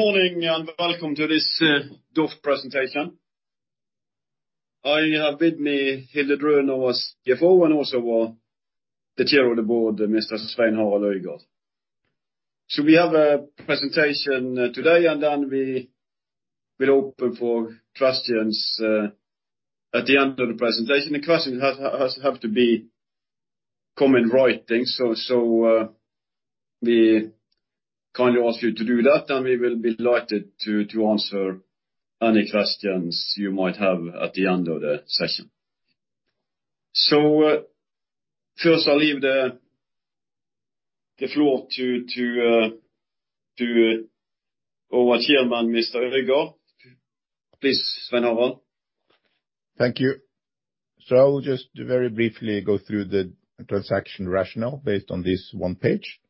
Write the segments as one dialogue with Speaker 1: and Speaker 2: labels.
Speaker 1: Good morning and Welcome to this DOF presentation. I have with me Hilde Drønen, our CFO, and also our Chair of the Board, Mr. Svein Harald Øygard We have a presentation today, and then we will open for questions at the end of the presentation. The questions have to be in writing, so we kindly ask you to do that, and we will be delighted to answer any questions you might have at the end of the session. First, I'll leave the floor to our Chairman, Mr. Øygard. Please, Svein Harald Øygard
Speaker 2: Thank you. So I will just very briefly go through the transaction rationale based on this one page.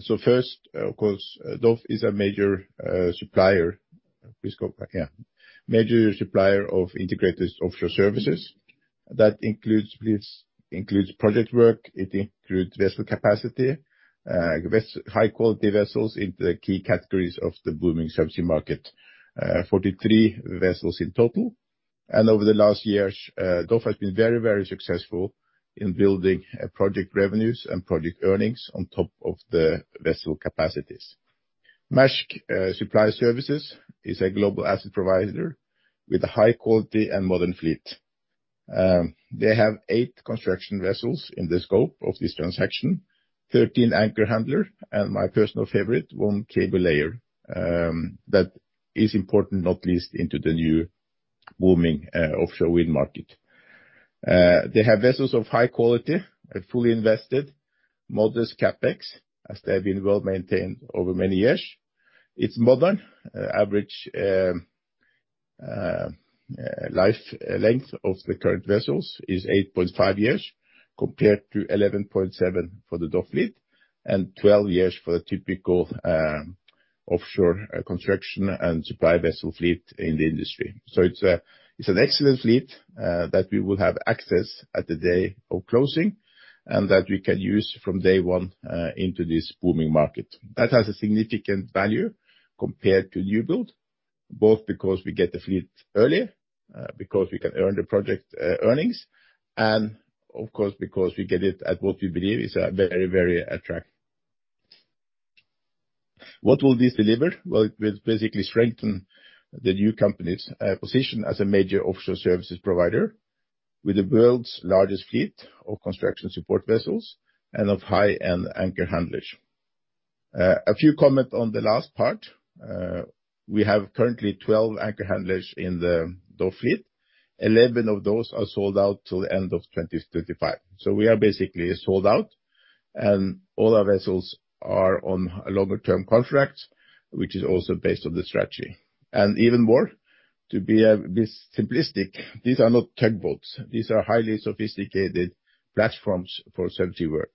Speaker 2: So first, of course, DOF is a major supplier, yeah, major supplier of integrated offshore services. That includes project work, it includes vessel capacity, high-quality vessels into the key categories of the booming subsea market, 43 vessels in total. And over the last years, DOF has been very, very successful in building project revenues and project earnings on top of the vessel capacities. Maersk Supply Service is a global asset provider with a high-quality and modern fleet. They have 8 construction vessels in the scope of this transaction, 13 anchor handlers, and my personal favorite, 1 cable layer. That is important, not least into the new booming offshore wind market. They have vessels of high quality, fully invested, modest CapEx, as they have been well maintained over many years. It's modern Average life length of the current vessels is 8.5 years compared to 11.7 for the DOF fleet and 12 years for the typical offshore construction and supply vessel fleet in the industry. So it's an excellent fleet that we will have access at the day of closing and that we can use from day one into this booming market. That has a significant value compared to new build, both because we get the fleet earlier, because we can earn the project earnings, and of course, because we get it at what we believe is a very, very attractive price. What will this deliver? Well, it will basically strengthen the new company's position as a major offshore services provider with the world's largest fleet of construction support vessels and of high-end anchor handlers. A few comments on the last part. We have currently 12 anchor handlers in the DOF fleet. 11 of those are sold out till the end of 2025. So we are basically sold out, and all our vessels are on longer-term contracts, which is also based on the strategy. And even more, to be simplistic, these are not tugboats. These are highly sophisticated platforms for subsea work.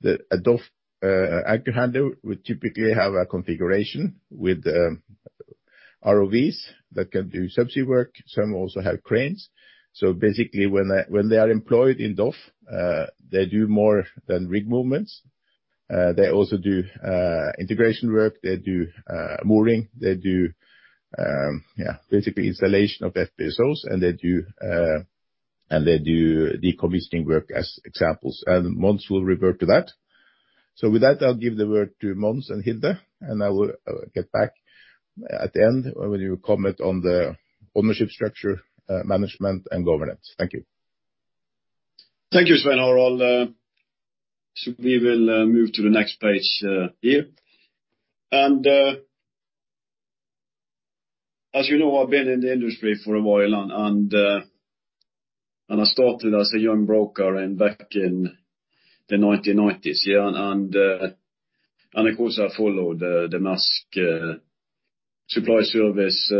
Speaker 2: The DOF anchor handler would typically have a configuration with ROVs that can do subsea work. Some also have cranes. So basically, when they are employed in DOF, they do more than rig movements. They also do integration work. They do mooring. They do, yeah, basically installation of FPSOs, and they do decommissioning work as examples. And Mons will revert to that. So with that, I'll give the word to Mons and Hilde, and I will get back at the end when you comment on the ownership structure, management, and governance. Thank you.
Speaker 3: Thank you Svein Harald Øygard So we will move to the next page here. As you know, I've been in the industry for a while, and I started as a young broker back in the 1990s. Of course, I followed the Maersk Supply Service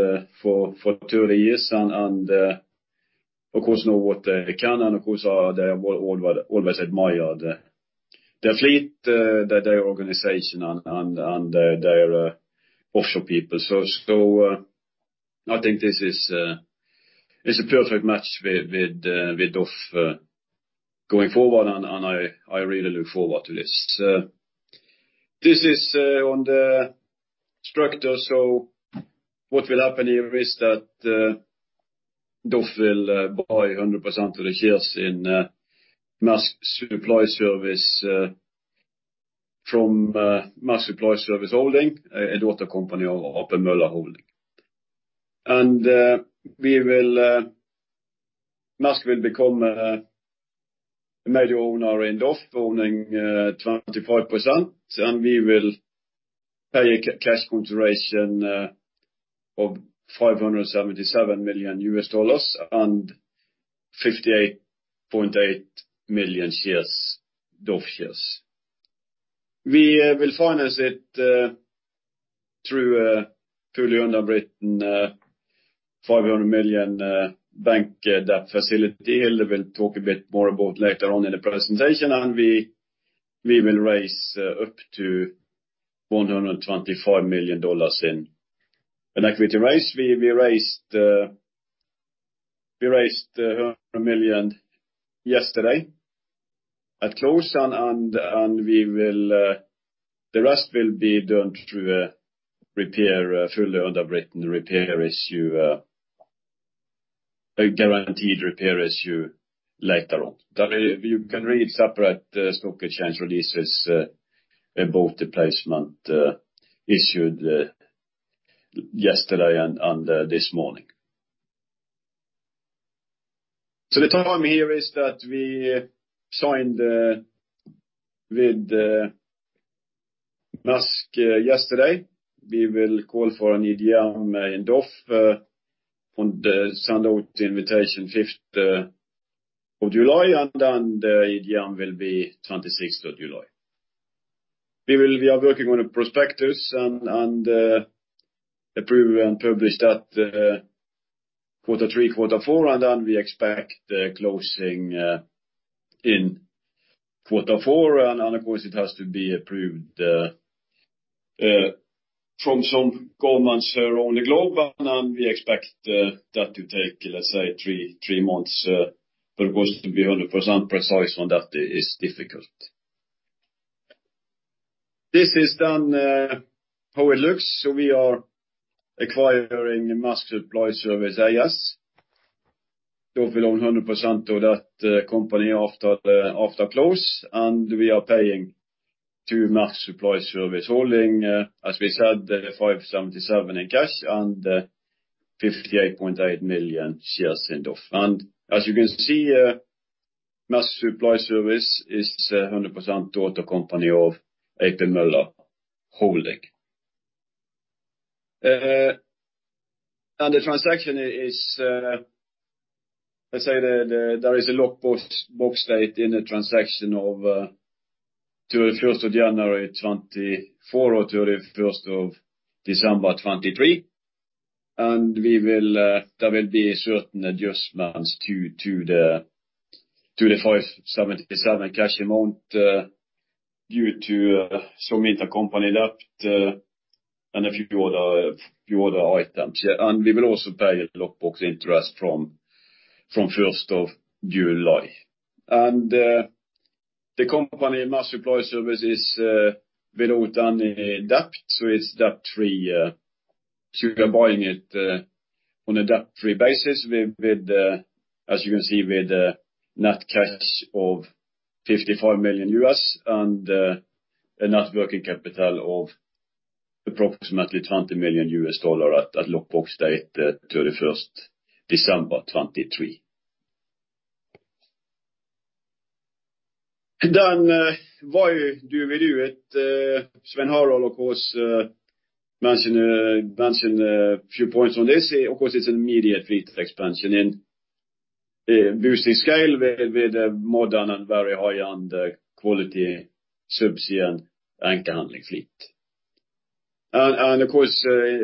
Speaker 3: for 30 years. Of course, know what they can. Of course, they are always admired, their fleet, their organization, and their offshore people. So I think this is a perfect match with DOF going forward, and I really look forward to this. This is on the structure. So what will happen here is that DOF will buy 100% of the shares in Maersk Supply Service from Maersk Supply Service Holding, a daughter company of A.P. Møller Holding. Holding A/S will become a major owner in DOF, owning 25%, and we will pay a cash consideration of $577 million and 58.8 million DOF shares. We will finance it through a fully underwritten $500 million bank debt facility. Hilde will talk a bit more about later on in the presentation, and we will raise up to $125 million in an equity raise. We raised $100 million yesterday at close, and the rest will be done through a repair, fully underwritten repair issue, guaranteed repair issue later on. You can read separate stock exchange releases about the placement issued yesterday and this morning. So the time here is that we signed with Maersk Supply Service Holding A/S yesterday. We will call for an EGM in DOF on the send-out invitation 5th of July, and the EGM will be 26th of July. We are working on the prospectus and approve and publish that quarter three, quarter four, and then we expect closing in quarter four. And of course, it has to be approved from some comments on the globe, and we expect that to take, let's say, three months. But of course, to be 100% precise on that is difficult. This is then how it looks. So we are acquiring Maersk Supply Service A/S. DOF will own 100% of that company after close, and we are paying to Maersk Supply Service Holding A/S, as we said, $577 million in cash and 58.8 million shares in DOF. And as you can see, Maersk Supply Service A/S is 100% daughter company of A.P. Møller Holding A/S. And the transaction is, let's say, there is a lockbox date in the transaction of 31st of January 2024 or 31st of December 2023. There will be a certain adjustment to the $577 million cash amount due to some intercompany debt and a few other items. We will also pay a lockbox interest from 1st of July. The company Maersk Supply Service is without any debt, so it's debt-free. So we are buying it on a debt-free basis with, as you can see, with net cash of $55 million and a net working capital of approximately $20 million at lockbox date 31 December 2023. Then why do we do it? Svein Harald Øygard, of course, mentioned a few points on this. Of course, it's an immediate fleet expansion in boosting scale with modern and very high-end quality subsea and anchor handling fleet. And of course,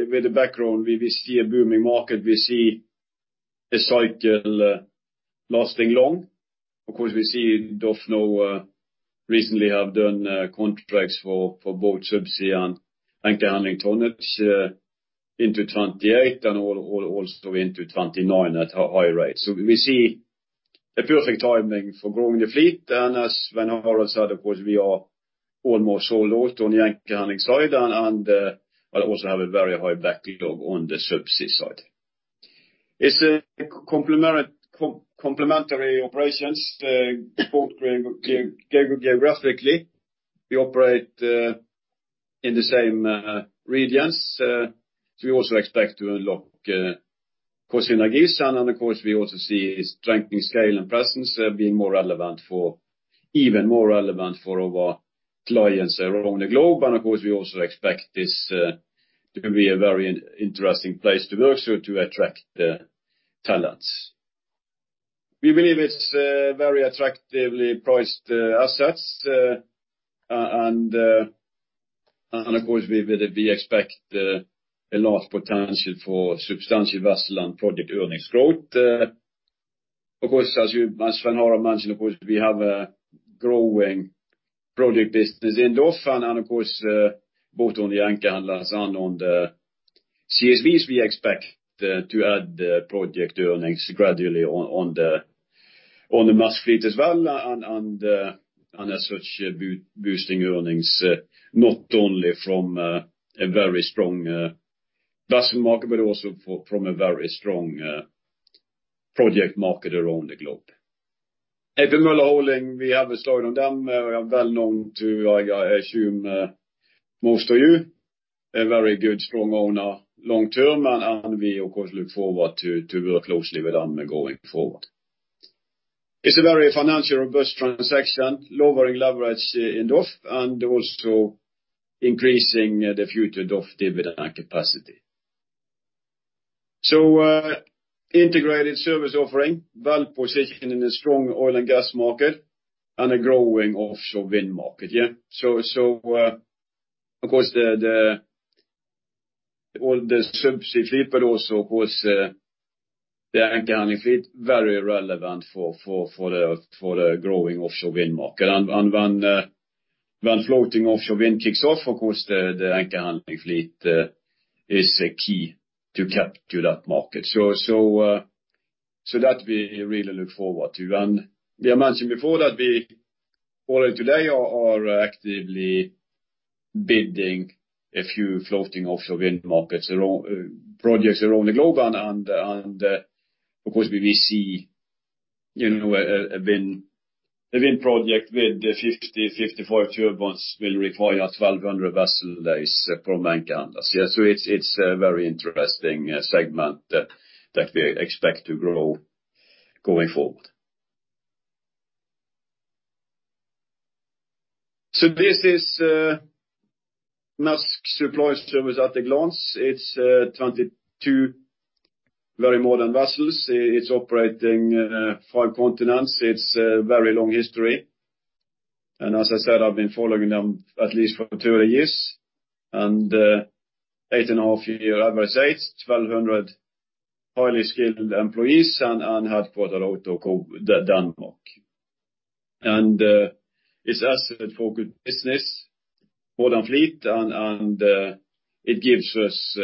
Speaker 3: with the background, we see a booming market. We see a cycle lasting long. Of course, we see DOF now recently have done contracts for both subsea and anchor handling tonnage into 2028 and also into 2029 at a high rate. So we see a perfect timing for growing the fleet. And as Svein Harald said, of course, we are almost all out on the anchor handling side, and we also have a very high backlog on the subsea side. It's complementary operations geographically. We operate in the same regions. So we also expect to unlock cost synergies. And of course, we also see strengthening scale and presence being more relevant for even more relevant for our clients around the globe. And of course, we also expect this to be a very interesting place to work, so to attract talents. We believe it's very attractively priced assets. And of course, we expect a large potential for substantial vessel and project earnings growth. Of course, as Svein Harald mentioned, of course, we have a growing project business in DOF. And of course, both on the anchor handlers and on the CSVs, we expect to add project earnings gradually on the Maersk fleet as well. And as such, boosting earnings not only from a very strong vessel market, but also from a very strong project market around the globe. A.P. Møller Holding, we have a slide on them. It's well known, I assume most of you, a very good strong owner long term. And we of course look forward to closely with them going forward. It's a very financially robust transaction, lowering leverage in DOF, and also increasing the future DOF dividend capacity. So integrated service offering, well positioned in a strong oil and gas market and a growing offshore wind market. Yeah. So of course, all the subsea fleet, but also of course the anchor handling fleet, very relevant for the growing offshore wind market. And when floating offshore wind kicks off, of course the anchor handling fleet is key to capture that market. So that we really look forward to. And we have mentioned before that we already today are actively bidding a few floating offshore wind markets projects around the globe. And of course, we see a wind project with 50-55 turbines will require 1,200 vessel days from anchor handlers. So it's a very interesting segment that we expect to grow going forward. So this is Maersk Supply Service at a glance. It's 22 very modern vessels. It's operating five continents. It's a very long history. And as I said, I've been following them at least for 30 years and 8.5-year average age, 1,200 highly skilled employees and headquartered out of Denmark. It's asset-focused business, more than fleet, and it gives us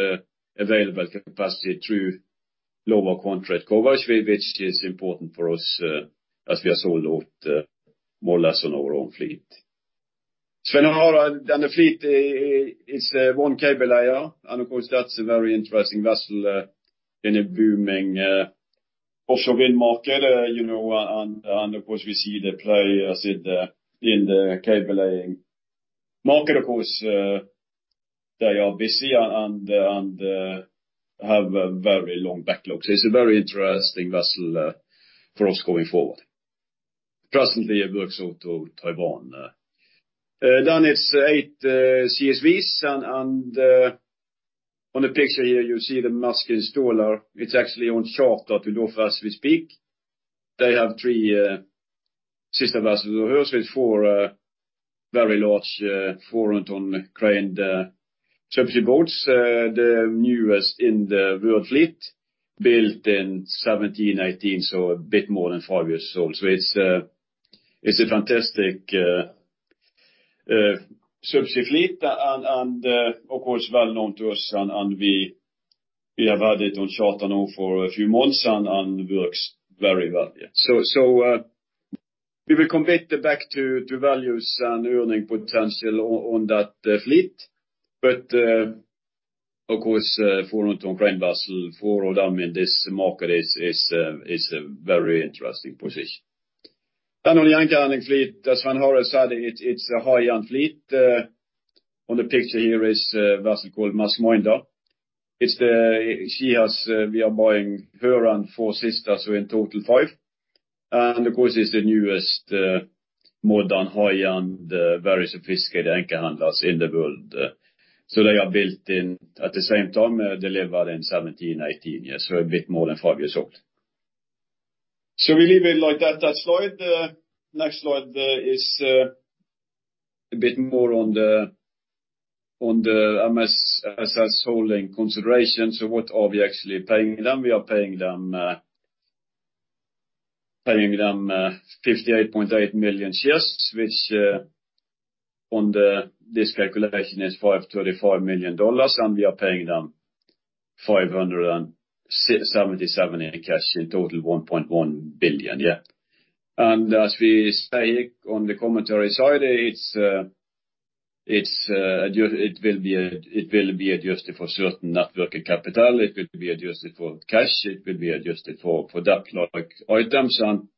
Speaker 3: available capacity through lower contract coverage, which is important for us as we are sold out more or less on our own fleet. Svein Harald Øygard, and the fleet is one cable layer. Of course, that's a very interesting vessel in a booming offshore wind market. Of course, we see the play as in the cable laying market, of course, they are busy and have a very long backlog. So it's a very interesting vessel for us going forward. Presently, it works out to Taiwan. Then it's 8 CSVs. On the picture here, you see the Maersk Installer. It's actually on charter that we do first we speak. They have 3 sister vessels over here. So it's four very large 400-tonne crane subsea boats, the newest in the world fleet, built in 2017-2018, so a bit more than five years old. So it's a fantastic subsea fleet. And of course, well known to us. And we have had it on charter now for a few months and works very well. So we will come back to values and earning potential on that fleet. But of course, 400-tonne crane vessel, four of them in this market is a very interesting position. Then on the anchor handling fleet, as Svein Harald Øygard said, it's a high-end fleet. On the picture here is a vessel called Maersk Minder. We are buying her and four sisters, so in total five. And of course, it's the newest modern high-end, very sophisticated anchor handlers in the world. They are built in at the same time. They live in 1718, so a bit more than 5 years old. We leave it like that, that slide. Next slide is a bit more on the MSSS holding consideration. So what are we actually paying them? We are paying them 58.8 million shares, which on this calculation is $535 million. And we are paying them $577 million in cash in total $1.1 billion. Yeah. And as we say here on the commentary side, it will be adjusted for certain net working capital. It will be adjusted for cash. It will be adjusted for debt-like items. And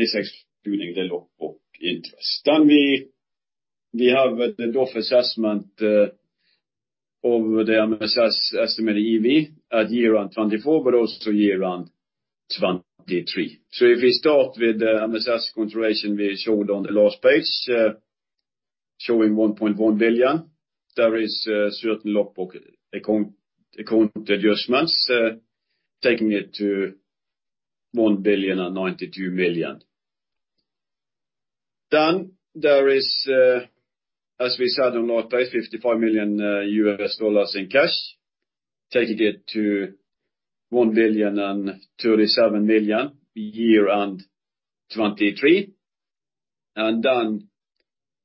Speaker 3: it's excluding the lockbox interest. Then we have the DOF assessment of the MSS estimated EV at year-end 2024, but also year-end 2023. So if we start with the MSS consideration we showed on the last page, showing $1.1 billion, there is a certain lockbox and adjustments taking it to $1.092 billion. Then there is, as we said on last page, $55 million in cash, taking it to $1.037 billion year-end 2023. And then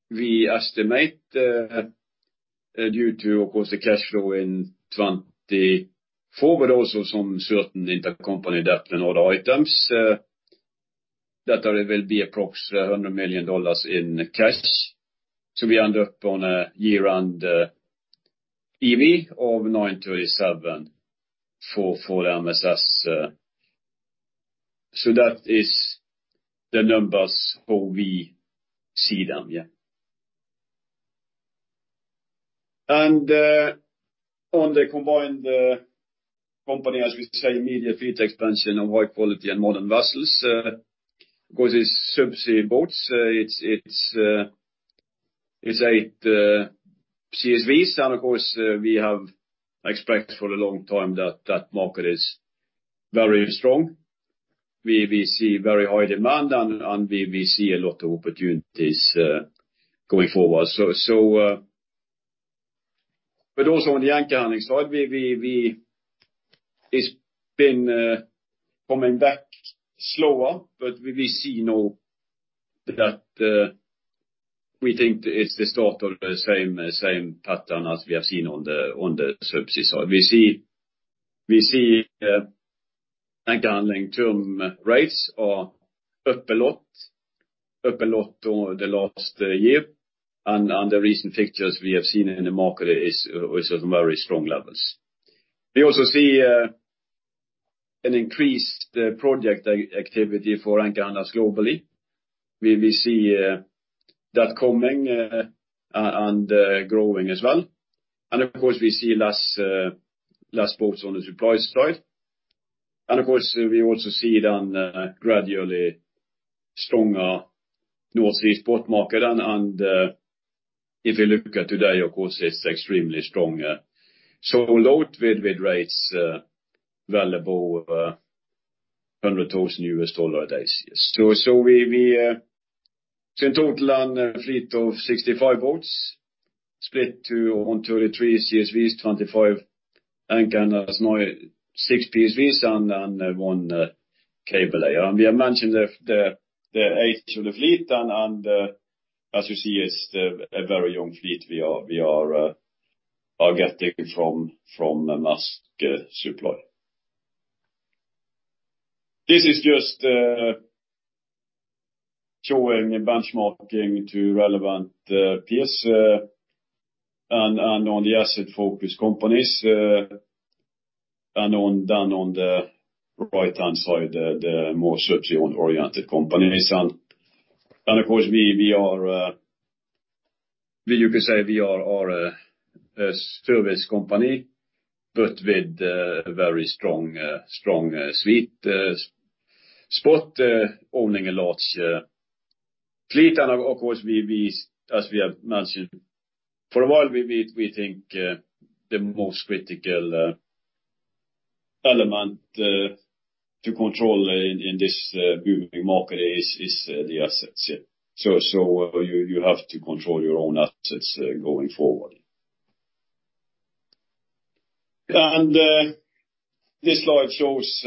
Speaker 3: we estimate due to, of course, the cash flow in 2024, but also some certain intercompany debt and other items, that there will be approximately $100 million in cash. So we end up on a year-end EV of $937 million for the MSS. So that is the numbers how we see them. Yeah. And on the combined company, as we say, immediate fleet expansion of high-quality and modern vessels, of course, it's subsea boats. It's eight CSVs. And of course, we have expected for a long time that that market is very strong. We see very high demand, and we see a lot of opportunities going forward. But also on the anchor handling side, it's been coming back slower, but we see now that we think it's the start of the same pattern as we have seen on the subsea side. We see anchor handling term rates are up a lot, up a lot over the last year. And the recent fixtures we have seen in the market are also some very strong levels. We also see an increased project activity for anchor handlers globally. We see that coming and growing as well. And of course, we see less boats on the supply side. And of course, we also see then gradually stronger North Sea spot market. If we look at today, of course, it's extremely strong. So loaded with rates valued at $100,000 a day. So we see in total a fleet of 65 boats split into 13 CSVs, 25 anchor handlers, 6 PSVs, and 1 cable layer. And we have mentioned the age of the fleet. And as you see, it's a very young fleet we are getting from Maersk Supply. This is just showing benchmarking to relevant PSVs and on the asset-focused companies. And then on the right-hand side, the more subsea-oriented companies. And of course, we are, you could say we are a service company, but with a very strong sweet spot owning a large fleet. And of course, as we have mentioned for a while, we think the most critical element to control in this booming market is the assets. So you have to control your own assets going forward. This slide shows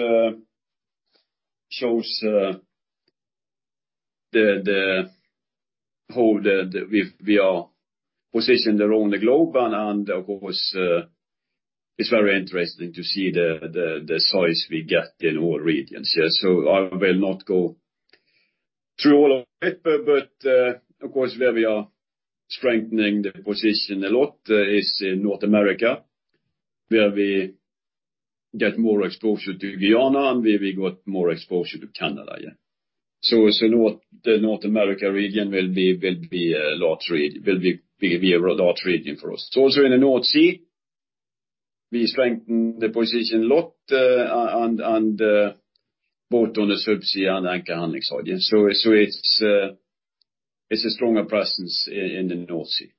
Speaker 3: how we are positioned around the globe. Of course, it's very interesting to see the size we get in all regions. I will not go through all of it, but of course, where we are strengthening the position a lot is in North America, where we get more exposure to Guyana, and we got more exposure to Canada. The North America region will be a large region for us. Also in the North Sea, we strengthen the position a lot and both on the subsea and anchor handling side. It's a stronger presence in the North Sea.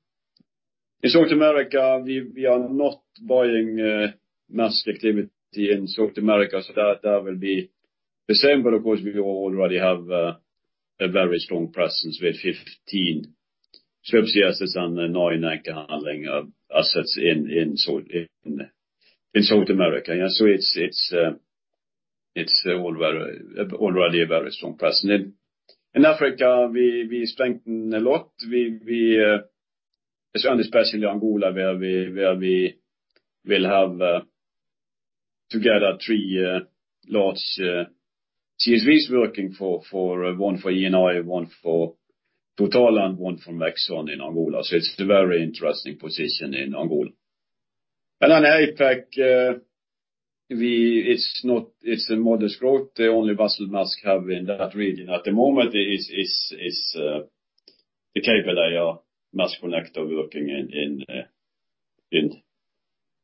Speaker 3: In South America, we are not buying Maersk activity in South America. That will be December. Of course, we already have a very strong presence with 15 subsea assets and nine anchor handling assets in South America. It's already a very strong presence. In Africa, we strengthen a lot. Especially Angola, where we will have together three large CSVs working for one for Eni, one for Total, and one from Exxon in Angola. So it's a very interesting position in Angola. And then APAC, it's a modest growth. The only vessel Maersk have in that region at the moment is the cable layer, Maersk Connector working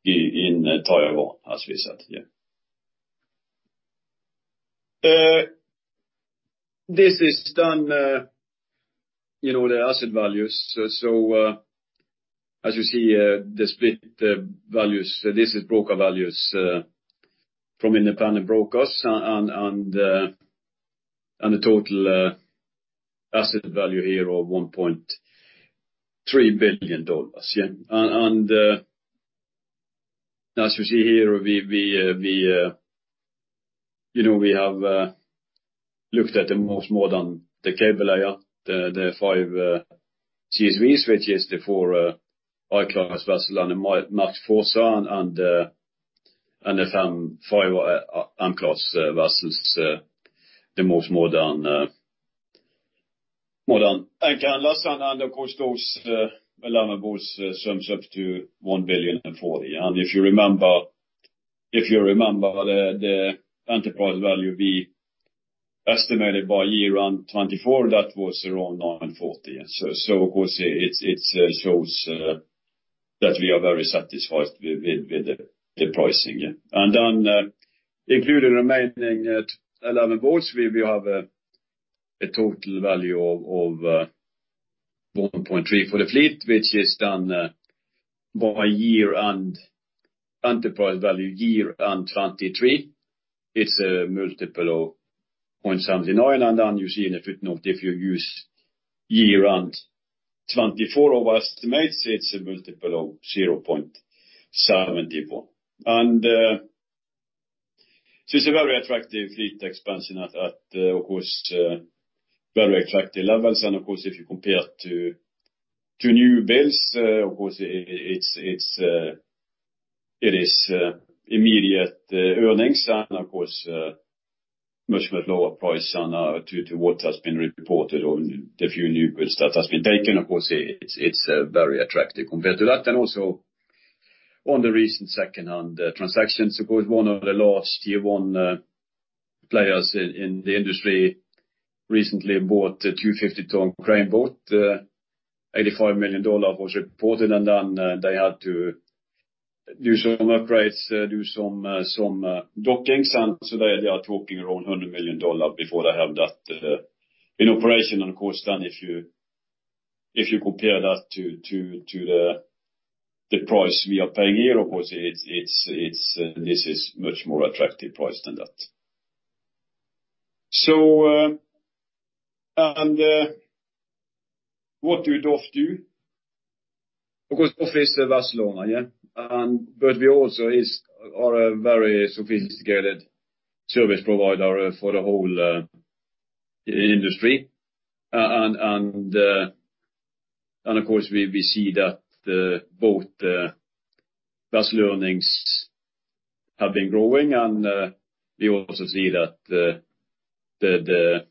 Speaker 3: in Taiwan, as we said. This is then the asset values. So as you see, the split values, this is broker values from independent brokers. And the total asset value here of $1.3 billion. And as you see here, we have looked at the most modern, the cable layer, the 5 CSVs, which is the 4 I-class vessel and the Maersk four. And the 5 M-class vessels, the most modern anchor handlers. And of course, those will have a boost some sub to $1 billion and 40. If you remember, the enterprise value we estimated by year-end 2024, that was around $940. So of course, it shows that we are very satisfied with the pricing. Then including remaining 11 boats, we have a total value of $1.3 for the fleet, which is then by year-end enterprise value year-end 2023. It's a 0.79x multiple. Then you see in the footnote, if you use year-end 2024 EBITDA estimates, it's a 0.71x multiple. So it's a very attractive fleet expansion at, of course, very attractive levels. Of course, if you compare it to newbuilds, of course, it is immediate earnings. Of course, much more lower price than what has been reported on the few newbuilds that have been taken. Of course, it's very attractive compared to that. Also on the recent second-hand transactions, of course, one of the last OSV players in the industry recently bought a 250-tonne crane boat. $85 million was reported. Then they had to do some upgrades, do some docking. So they are talking around $100 million before they have that in operation. Of course, then if you compare that to the price we are paying here, of course, this is a much more attractive price than that. So what do DOF do? Of course, DOF is a vessel owner. But we also are a very sophisticated service provider for the whole industry. Of course, we see that both vessel earnings have been growing. We also see that the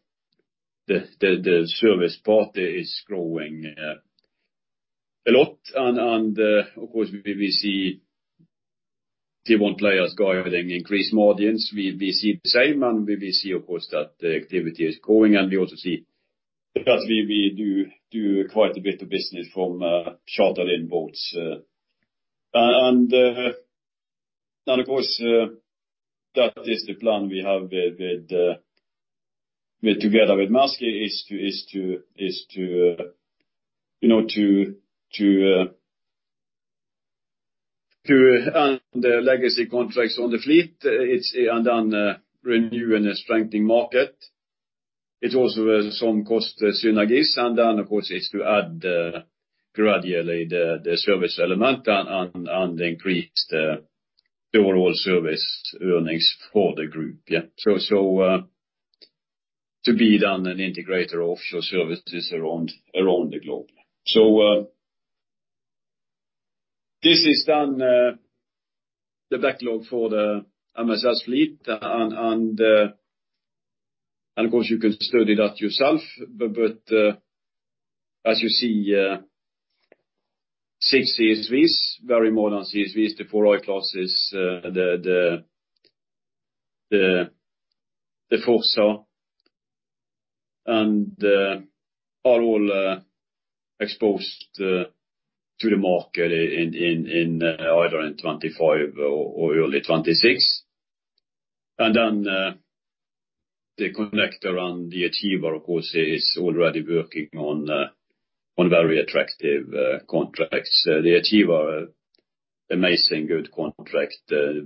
Speaker 3: service part is growing a lot. Of course, we see the OSV players guiding increased margins. We see the same. We see, of course, that the activity is growing. We also see that we do quite a bit of business from chartered in boats. Of course, that is the plan we have together with Maersk is to add legacy contracts on the fleet and then renew and strengthen market. It's also some cost synergies. Then, of course, it's to add gradually the service element and increase the overall service earnings for the group. So to be then an integrator of offshore services around the globe. So this is then the backlog for the MSS fleet. And of course, you can study that yourself. But as you see, six CSVs, very modern CSVs, the four I-classes, the Fuzetti, and are all exposed to the market either in 2025 or early 2026. Then the connector and the achiever, of course, is already working on very attractive contracts. The achiever, amazing good contract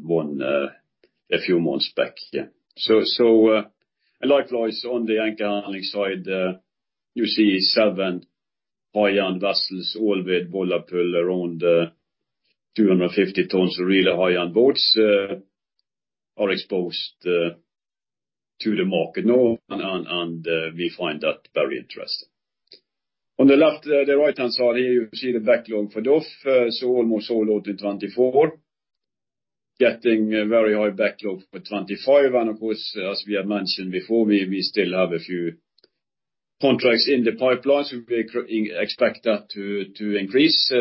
Speaker 3: won a few months back. So likewise, on the anchor handling side, you see seven high-end vessels all with bollard pull around 250 tons of really high-end boats are exposed to the market now. And we find that very interesting. On the right-hand side here, you see the backlog for DOF, so almost all load in 2024, getting a very high backlog for 2025. And of course, as we have mentioned before, we still have a few contracts in the pipeline. So we expect that to increase,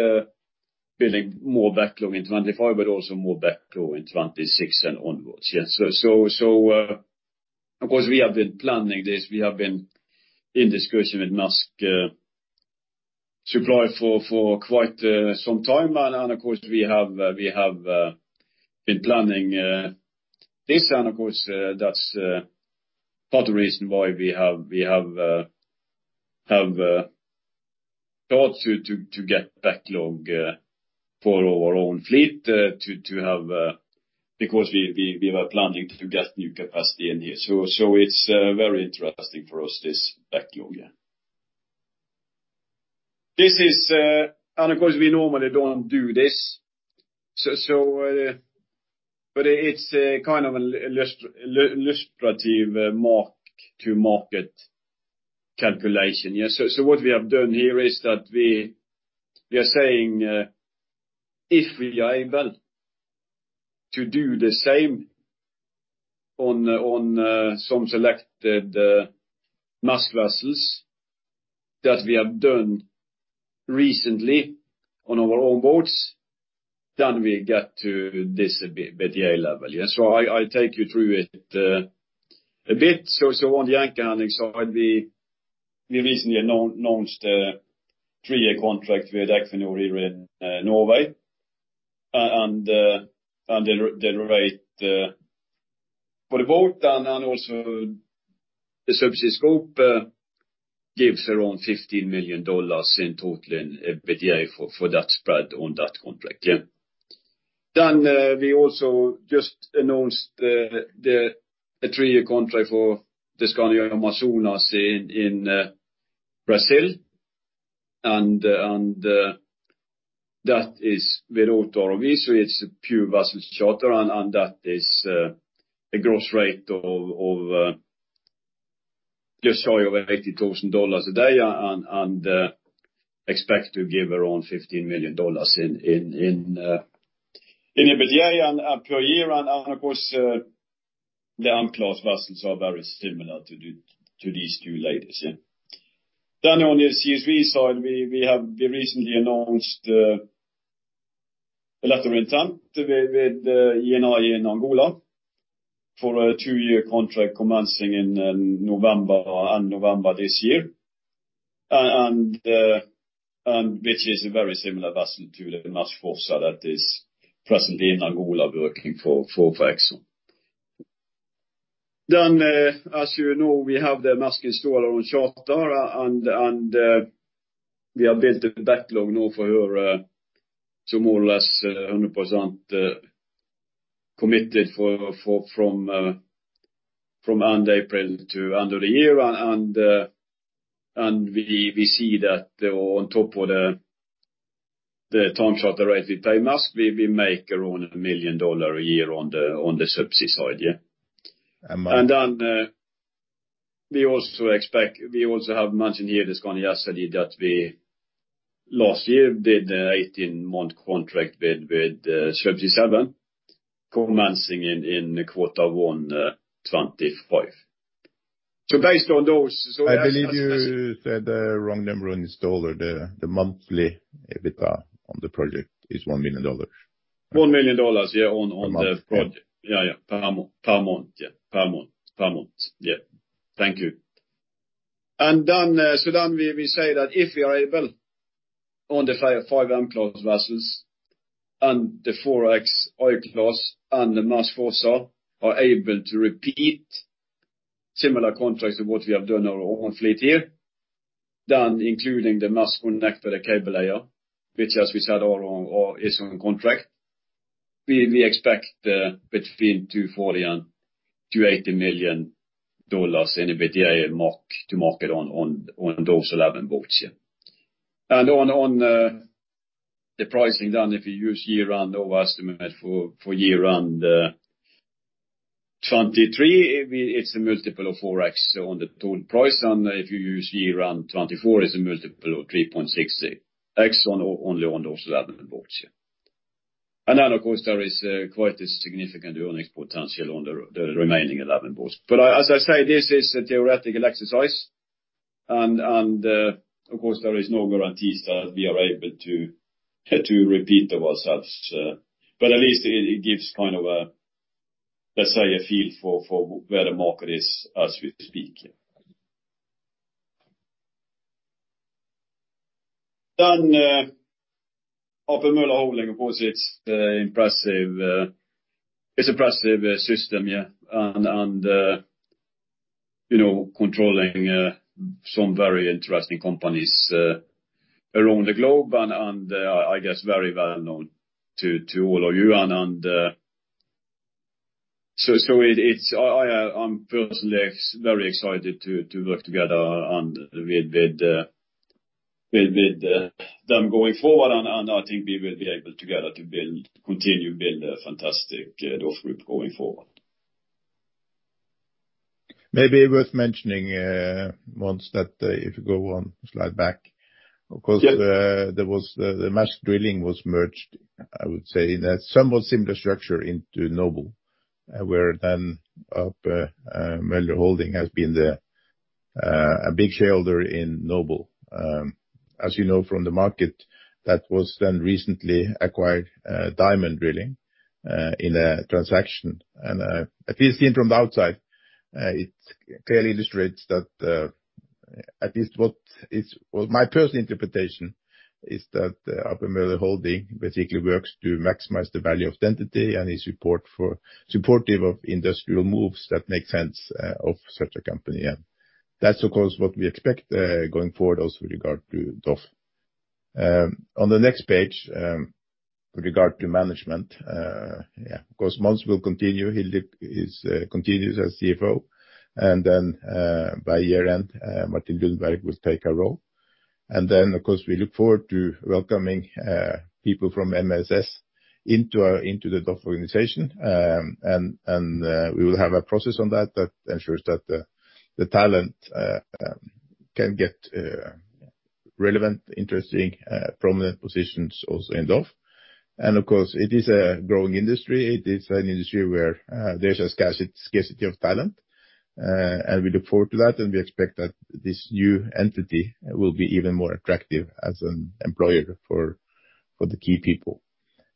Speaker 3: building more backlog in 2025, but also more backlog in 2026 and onwards. So of course, we have been planning this. We have been in discussion with Maersk Supply for quite some time. And of course, we have been planning this. And of course, that's part of the reason why we have thought to get backlog for our own fleet to have because we were planning to get new capacity in here. So it's very interesting for us, this backlog. And of course, we normally don't do this. But it's a kind of an illustrative mark-to-market calculation. So what we have done here is that we are saying if we are able to do the same on some selected Maersk vessels that we have done recently on our own boats, then we get to this a bit higher level. So I'll take you through it a bit. So on the anchor handling side, we recently announced a three-year contract with ExxonMobil here in Norway. And the rate for the boat and also the subsea scope gives around $15 million in total EBITDA for that spread on that contract. Then we also just announced a three-year contract for the Skandi Amazonas in Brazil. And that is with all ROV. So it's a pure vessel charter. And that is a gross rate of just shy of $80,000 a day. And expect to give around $15 million in EBITDA per year. And of course, the M-class vessels are very similar to these two ladies. Then on the CSV side, we recently announced a letter of intent with ENI in Angola for a two-year contract commencing in November this year, which is a very similar vessel to the Maersk Supply Service that is presently in Angola working for Exxon. Then as you know, we have the Maersk Installer on charter. And we have built a backlog now for her to more or less 100% committed from end April to end of the year. We see that on top of the term charter rate we pay Maersk, we make around $1 million a year on the subsea side. Then we also have mentioned here the Skandi Acergy that we last year did an 18-month contract with Subsea7 commencing in quarter one 2025. Based on those.
Speaker 2: I believe you said the wrong number on Installer. The monthly EBITDA on the project is $1 million.
Speaker 3: $1 million per month on the project. Thank you. And then we say that if we are able on the five M-class vessels and the four XI-class and the Maersk four are able to repeat similar contracts of what we have done on our own fleet here, then including the Maersk Connector, the cable layer, which had our own contract. We expect between $240-$280 million in EBITDA mark-to-market on those 11 boats. And on the pricing then, if you use year run-rate estimate for year run-rate 2023, it's a multiple of 4x on the total price. And if you use year run-rate 2024, it's a multiple of 3.60x only on those 11 boats. And then, of course, there is quite a significant earnings potential on the remaining 11 boats. But as I say, this is a theoretical exercise. Of course, there are no guarantees that we are able to repeat the vessels. But at least it gives kind of a, let's say, a feel for where the market is as we speak. Then A.P. Møller Holding, of course, it's an impressive system. And controlling some very interesting companies around the globe. And I guess very well known to all of you. And so I'm personally very excited to work together with them going forward. And I think we will be able together to continue to build a fantastic DOF Group going forward.
Speaker 2: Maybe worth mentioning once that if you go one slide back, of course, the Maersk Drilling was merged, I would say, in a somewhat similar structure into Noble, where then A.P. Møller Holding has been a big shareholder in Noble. As you know from the market, that was then recently acquired Diamond Drilling in a transaction. And at least seen from the outside, it clearly illustrates that at least what my personal interpretation is that A.P. Møller Holding basically works to maximize the value of identity and is supportive of industrial moves that make sense of such a company. And that's, of course, what we expect going forward also with regard to DOF. On the next page, with regard to management, yeah, of course, Mons will continue. He continues as CFO. And then by year-end, Martin Lundberg will take a role. Then, of course, we look forward to welcoming people from MSS into the DOF organization. We will have a process on that that ensures that the talent can get relevant, interesting, prominent positions also in DOF. Of course, it is a growing industry. It is an industry where there's a scarcity of talent. We look forward to that. We expect that this new entity will be even more attractive as an employer for the key people.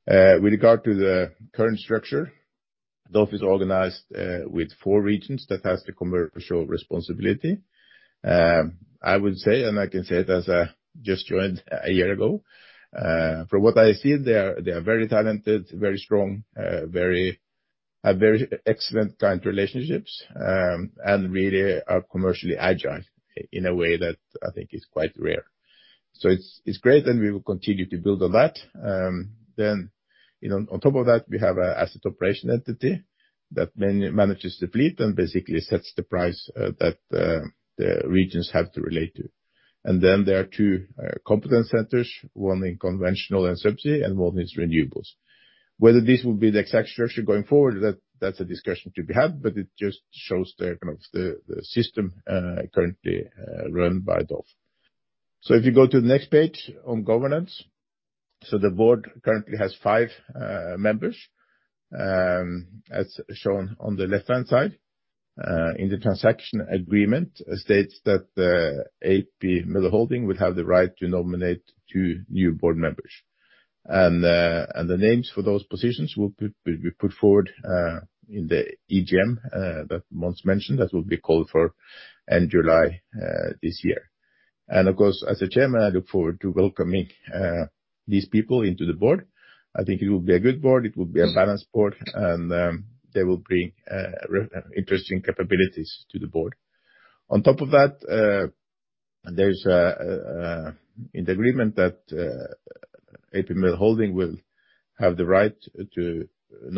Speaker 2: With regard to the current structure, DOF is organized with four regions that has the commercial responsibility. I would say, and I can say it as I just joined a year ago, from what I see, they are very talented, very strong, have very excellent client relationships, and really are commercially agile in a way that I think is quite rare. So it's great, and we will continue to build on that. Then on top of that, we have an asset operation entity that manages the fleet and basically sets the price that the regions have to relate to. And then there are two competence centers, one in conventional and subsea, and one is renewables. Whether this will be the exact structure going forward, that's a discussion to be had. But it just shows the kind of the system currently run by DOF. So if you go to the next page on governance, so the board currently has five members, as shown on the left-hand side. In the transaction agreement, it states that A.P. Møller Holding will have the right to nominate two new board members. And the names for those positions will be put forward in the EGM that Mons mentioned that will be called for end July this year. Of course, as a chairman, I look forward to welcoming these people into the board. I think it will be a good board. It will be a balanced board. And they will bring interesting capabilities to the board. On top of that, there's in the agreement that A.P. Møller Holding will have the right to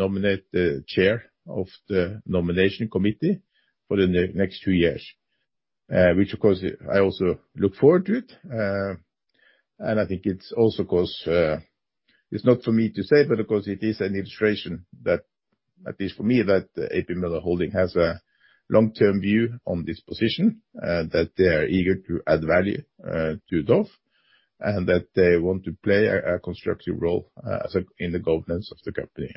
Speaker 2: nominate the chair of the nomination committee for the next two years, which, of course, I also look forward to it. And I think it's also, of course, it's not for me to say, but of course, it is an illustration that, at least for me, that A.P. Møller Holding has a long-term view on this position, that they are eager to add value to DOF, and that they want to play a constructive role in the governance of the company.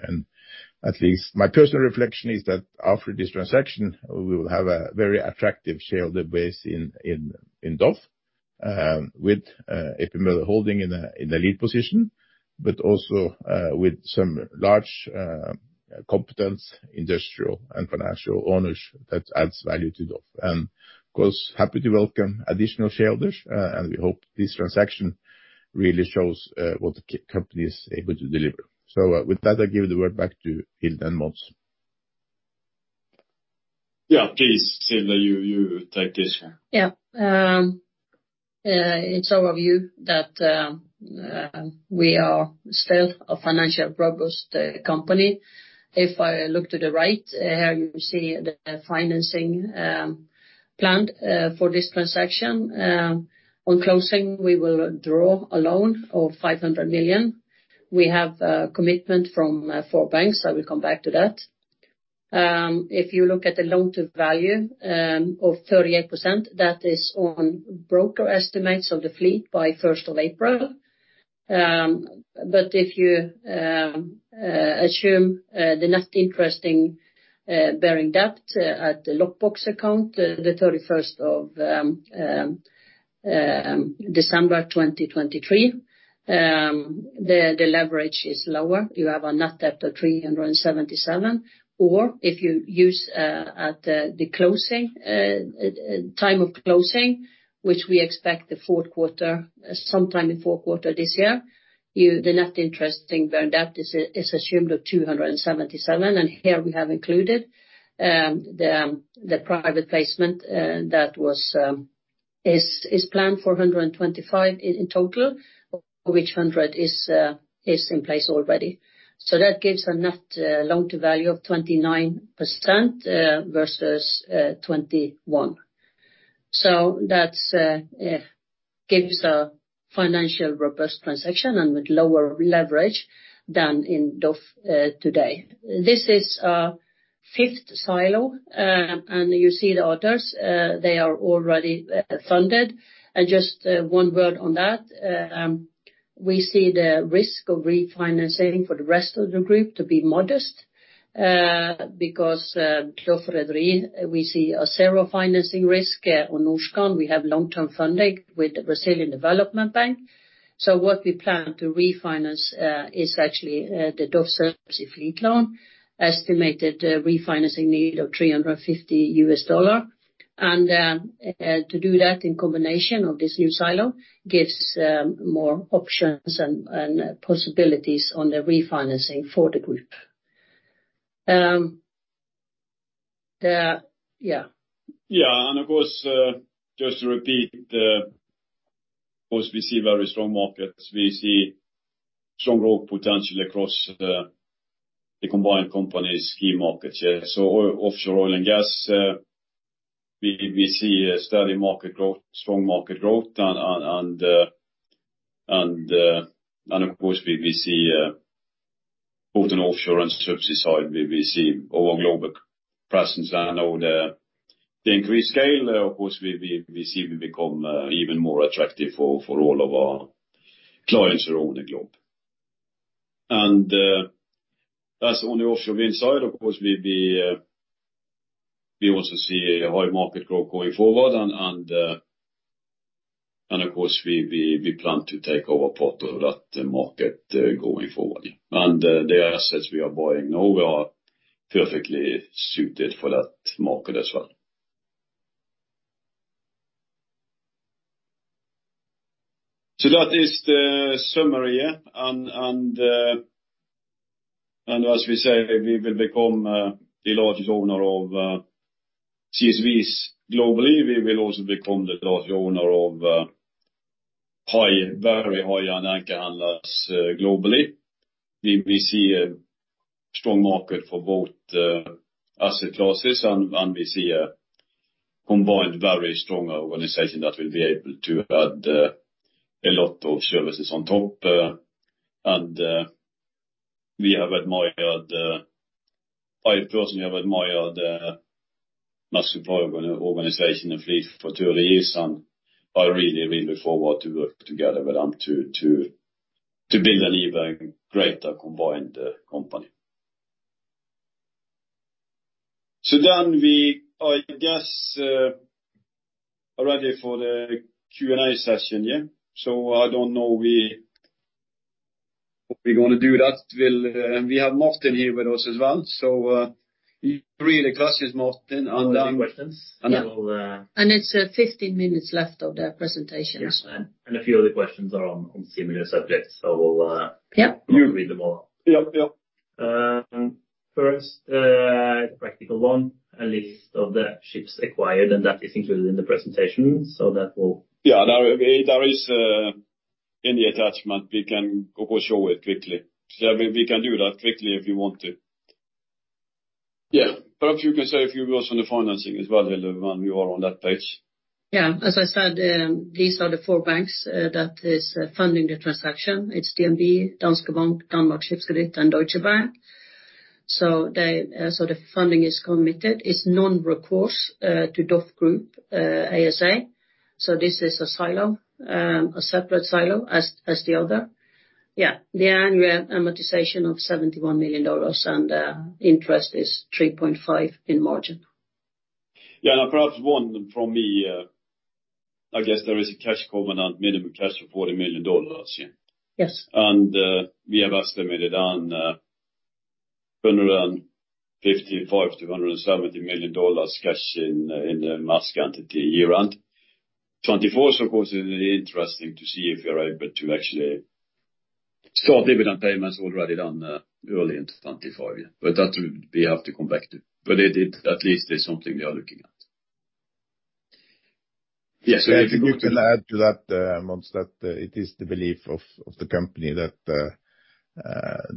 Speaker 2: At least my personal reflection is that after this transaction, we will have a very attractive shareholder base in DOF with A.P. Møller Holding in the lead position, but also with some large competence, industrial, and financial owners that adds value to DOF. Of course, happy to welcome additional shareholders. We hope this transaction really shows what the company is able to deliver. With that, I give the word back to Hilde and Mons.
Speaker 3: Yeah, please, Hilde, you take this one.
Speaker 4: Yeah. It's our view that we are still a financially robust company. If I look to the right, here you see the financing planned for this transaction. On closing, we will draw a loan of $500 million. We have a commitment from four banks. I will come back to that. If you look at the loan-to-value of 38%, that is on broker estimates of the fleet by 1 April. But if you assume the net interest-bearing debt at the lockbox account, the 31st of December 2023, the leverage is lower. You have a net debt of $377 million. Or if you use at the time of closing, which we expect the fourth quarter, sometime in fourth quarter this year, the net interest-bearing debt is assumed of $277 million. And here we have included the private placement that is planned for $125 million in total, of which $100 million is in place already. So that gives a net loan-to-value of 29% versus 21%. So that gives a financially robust transaction and with lower leverage than in DOF today. This is our fifth silo. And you see the others. They are already funded. And just one word on that. We see the risk of refinancing for the rest of the group to be modest because DOF Rederi, we see a zero financing risk on Norskan. We have long-term funding with the Brazilian Development Bank. So what we plan to refinance is actually the DOF Subsea fleet loan, estimated refinancing need of $350. And to do that in combination of this new silo gives more options and possibilities on the refinancing for the group. Yeah.
Speaker 3: Yeah. And of course, just to repeat, of course, we see very strong markets. We see strong growth potential across the combined companies' key markets. So offshore oil and gas, we see steady market growth, strong market growth. And of course, we see both on offshore and subsea side, we see our global presence. And on the increased scale, of course, we see we become even more attractive for all of our clients around the globe. And as on the offshore wind side, of course, we also see high market growth going forward. And of course, we plan to take over part of that market going forward. And the assets we are buying now are perfectly suited for that market as well. So that is the summary. And as we say, we will become the largest owner of CSVs globally. We will also become the largest owner of high, very high and anchor handlers globally. We see a strong market for both asset classes. And we see a combined very strong organization that will be able to add a lot of services on top. And we have admired, I personally have admired Maersk's organization and fleet for two years. And I really, really look forward to working together with them to build an even greater combined company. So then we, I guess, are ready for the Q&A session. So I don't know what we're going to do. We have Martin here with us as well. So you're really classy, Martin. And Questions.
Speaker 4: It's 15 minutes left of the presentation as well.
Speaker 5: A few of the questions are on similar subjects. So we'll read them all.
Speaker 3: Yeah.
Speaker 4: Yeah.
Speaker 5: First, the practical one, a list of the ships acquired, and that is included in the presentation. So that will.
Speaker 3: Yeah. There is in the attachment, we can show it quickly. We can do that quickly if you want to.
Speaker 5: Yeah. But if you can say a few words on the financing as well, Hilde, when you are on that page.
Speaker 4: Yeah. As I said, these are the four banks that are funding the transaction. It's DNB, Danske Bank, Danmarks Skibskredit, and Deutsche Bank. So the funding is committed. It's non-recourse to DOF Group ASA. So this is a silo, a separate silo as the other. Yeah. The annual amortization of $71 million. And the interest is 3.5 in margin.
Speaker 3: Yeah. And perhaps one from me, I guess there is a cash covenant, minimum cash of $40 million.
Speaker 4: Yes.
Speaker 3: We have estimated on $155-$170 million cash in the Maersk entity year-end 2024. Of course, it is interesting to see if we are able to actually start dividend payments already done early in 2025. But that we have to come back to. But at least it's something we are looking at.
Speaker 2: Yeah. So if you can add to that, Mons, that it is the belief of the company that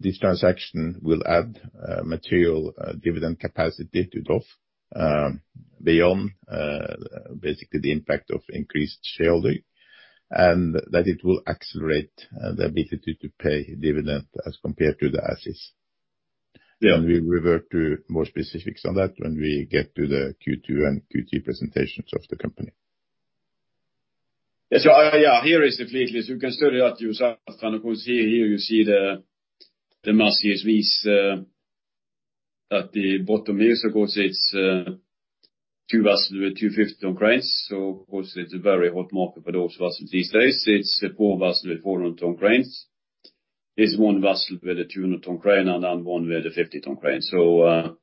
Speaker 2: this transaction will add material dividend capacity to DOF beyond basically the impact of increased shareholding, and that it will accelerate the ability to pay dividend as compared to the assets. We'll revert to more specifics on that when we get to the Q2 and Q3 presentations of the company.
Speaker 3: Yeah. So yeah, here is the fleet. You can study that yourself. And of course, here you see the Maersk CSVs at the bottom here. So of course, it's two vessels with 250 ton cranes. So of course, it's four vessels with 400-ton cranes. There's one vessel with a 200 ton crane and then one with a 50-ton crane. So a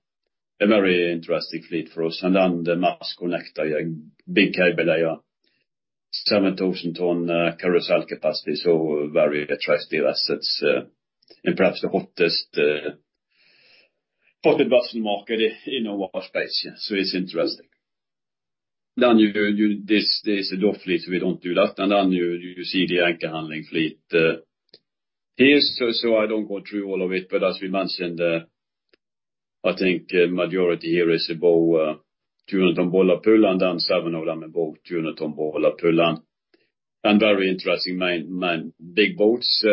Speaker 3: very interesting fleet for us. And then the Maersk Connector, big cable layer 7,000 ton carousel capacity. So very attractive assets. And perhaps the hottest vessel market in our space. So it's interesting. Then there's the DOF fleet. We don't do that. And then you see the anchor handling fleet here. So I don't go through all of it. But as we mentioned, I think majority here is above 200-ton bollard pull, and then seven of them above 200-ton bollard pull. And very interesting big boats.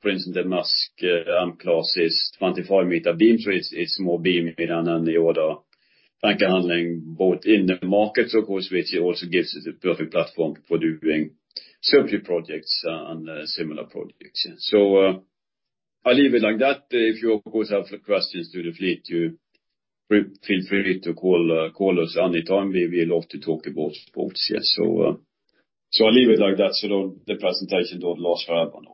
Speaker 3: For instance, the Maersk M class is 25-meter beam. So it's a small beam here and then the other anchor handling boat in the market. So of course, which also gives it a perfect platform for doing subsea projects and similar projects. So I leave it like that. If you, of course, have questions to the fleet, you feel free to call us anytime. We love to talk about boats. So I leave it like that. So the presentation don't last forever now.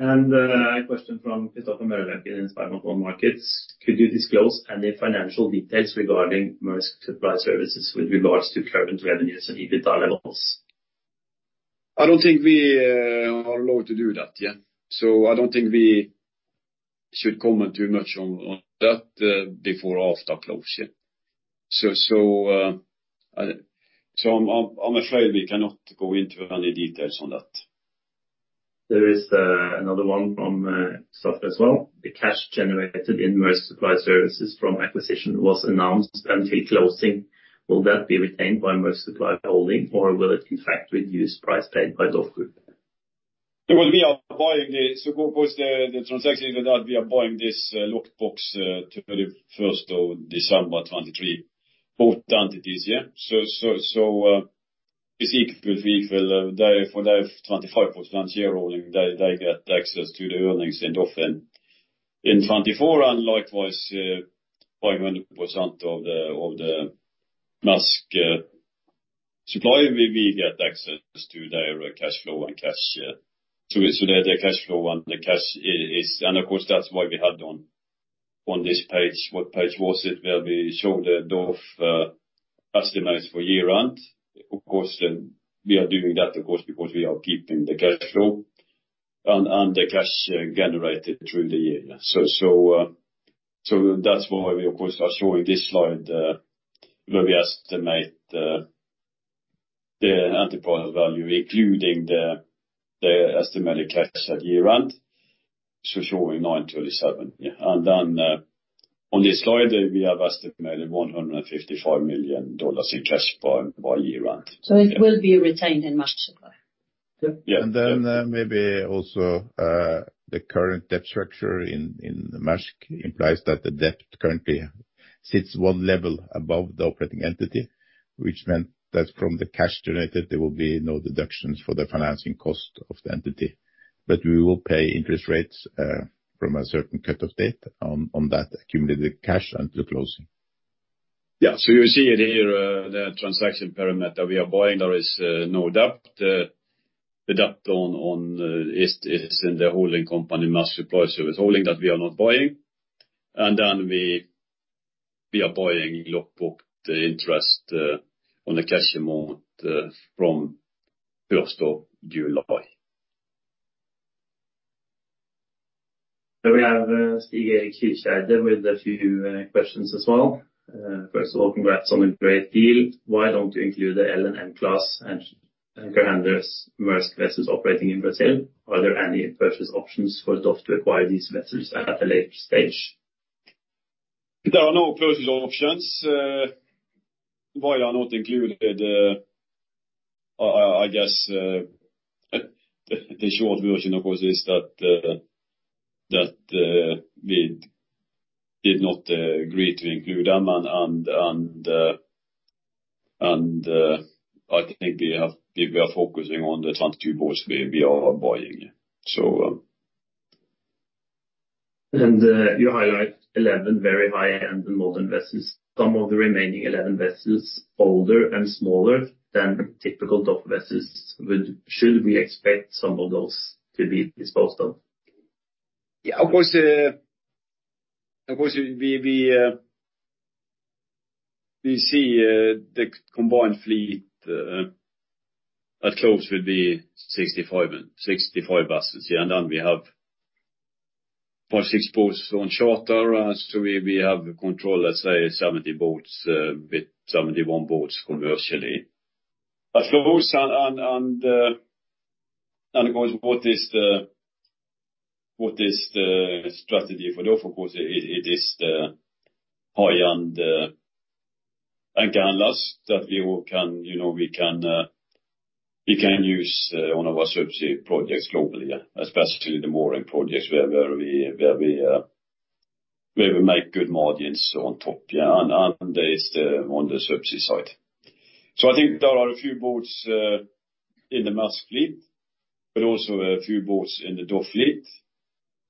Speaker 5: A question from Christopher Mørdal in SpareBank 1 Markets. Could you disclose any financial details regarding Maersk Supply Service with regards to current revenues and EBITDA levels?
Speaker 3: I don't think we are allowed to do that. So I don't think we should comment too much on that before after close. So I'm afraid we cannot go into any details on that.
Speaker 5: There is another one from Christopher as well. The cash generated in Maersk Supply Service from acquisition announcement to entry closing. Will that be retained by Maersk Supply Service Holding, or will it, in fact, reduce price paid by DOF Group?
Speaker 3: It will be buying the transaction that we are buying this lockbox to the 1 December 2023, both entities. So for their 25% shareholding, they get access to the earnings in DOF in 2024. And likewise, 50% of the Maersk Supply, we get access to their cash flow and cash. So their cash flow and the cash is, and of course, that's why we had on this page, what page was it where we showed the DOF estimates for year-end. Of course, we are doing that, of course, because we are keeping the cash flow and the cash generated through the year. So that's why we, of course, are showing this slide where we estimate the enterprise value, including the estimated cash at year-end. So showing $937. And then on this slide, we have estimated $155 million in cash by year-end.
Speaker 4: It will be retained in Maersk Supply.
Speaker 5: Yeah. Then maybe also the current debt structure in Maersk implies that the debt currently sits one level above the operating entity, which meant that from the cash generated, there will be no deductions for the financing cost of the entity. But we will pay interest rates from a certain cut of date on that accumulated cash until closing.
Speaker 3: Yeah. So you see it here, the transaction perimeter that we are buying, there is no debt. The debt is in the holding company, Maersk Supply Service Holding, that we are not buying. And then we are buying lockbox interest on the cash amount from 1 July.
Speaker 5: So we have Stig Erik Kyrkjeeide there with a few questions as well. First of all, congrats on a great deal. Why don't you include the LNM class and anchor handlers Maersk vessels operating in Brazil? Are there any purchase options for DOF to acquire these vessels at a later stage?
Speaker 3: There are no purchase options. Why are not included? I guess the short version, of course, is that we did not agree to include them. I think we are focusing on the 22 boats we are buying.
Speaker 5: You highlight 11 very high and modern vessels. Some of the remaining 11 vessels older and smaller than typical DOF vessels, should we expect some of those to be disposed of?
Speaker 3: Yeah. Of course, we see the combined fleet at close would be 65 vessels. And then we have 56 boats on charter. So we have control, let's say, 70 boats with 71 boats commercially at close. And of course, what is the strategy for DOF? Of course, it is the high-end anchor handlers that we can use on our subsea projects globally, especially the mooring projects where we make good margins on top. And there is the on the subsea side. So I think there are a few boats in the Maersk fleet, but also a few boats in the DOF fleet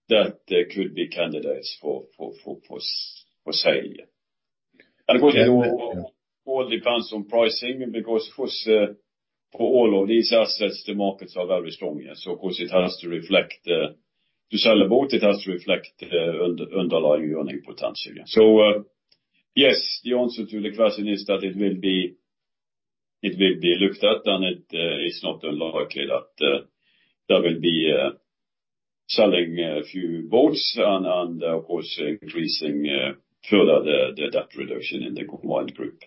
Speaker 3: that could be candidates for sale. And of course, it all depends on pricing because for all of these assets, the markets are very strong. So of course, it has to reflect to sell a boat, it has to reflect underlying earning potential. So yes, the answer to the question is that it will be looked at and it is not unlikely that there will be selling a few boats and, of course, increasing further the debt reduction in the combined group.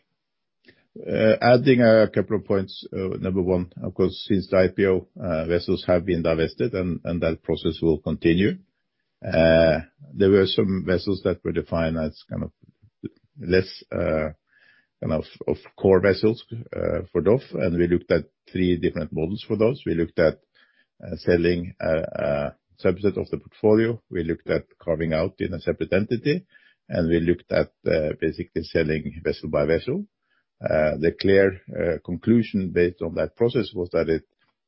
Speaker 2: Adding a couple of points. Number one, of course, since the IPO, vessels have been divested and that process will continue. There were some vessels that were defined as kind of less kind of core vessels for DOF. We looked at three different models for those. We looked at selling a subset of the portfolio. We looked at carving out in a separate entity. We looked at basically selling vessel by vessel. The clear conclusion based on that process was that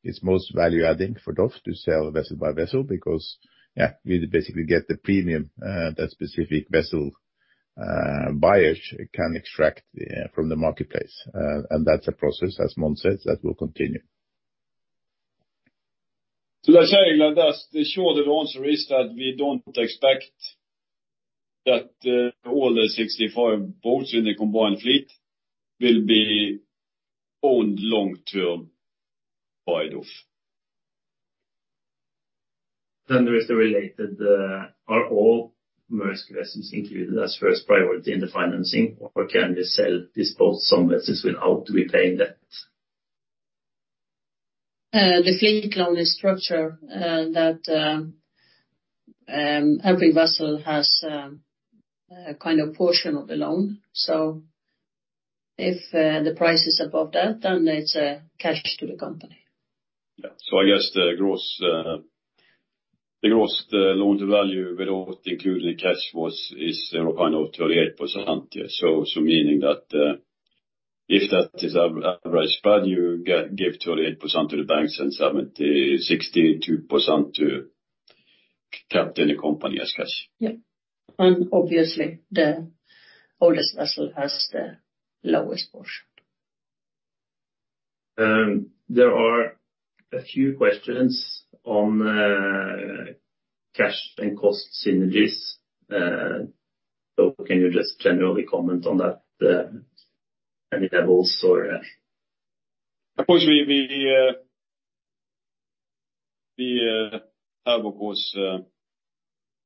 Speaker 2: it's most value-adding for DOF to sell vessel by vessel because, yeah, we basically get the premium that specific vessel buyers can extract from the marketplace. That's a process, as Mons said, that will continue.
Speaker 3: That's saying that the short answer is that we don't expect that all the 65 boats in the combined fleet will be owned long-term by DOF.
Speaker 5: Then there is the related: are all Maersk vessels included as first priority in the financing, or can we sell or dispose of some vessels without repaying debt?
Speaker 4: The fleet loan is structured that every vessel has a kind of portion of the loan. So if the price is above that, then it's cash to the company.
Speaker 3: Yeah. I guess the gross loan-to-value without including cash is kind of 38%. Meaning that if that is average value, give 38% to the banks and 62% to the company as cash.
Speaker 4: Yeah. Obviously, the oldest vessel has the lowest portion.
Speaker 5: There are a few questions on cash and cost synergies. Can you just generally comment on that? Any levels or?
Speaker 3: Of course, we have, of course,